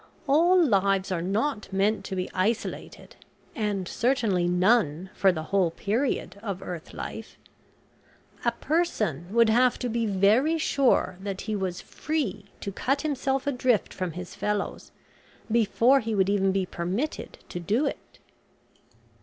All lives are not meant to be isolated, and certainly none for the whole period of earth life. A person would have to be very sure that he was free to cut himself adrift from his fellows before he would even be permitted to do it."